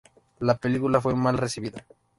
La película fue mal recibida.